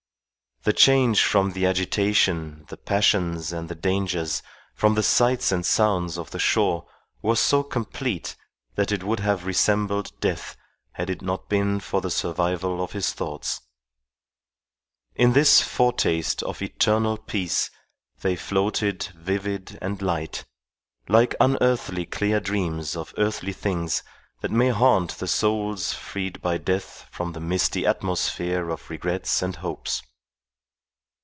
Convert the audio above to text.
The change from the agitation, the passions and the dangers, from the sights and sounds of the shore, was so complete that it would have resembled death had it not been for the survival of his thoughts. In this foretaste of eternal peace they floated vivid and light, like unearthly clear dreams of earthly things that may haunt the souls freed by death from the misty atmosphere of regrets and hopes.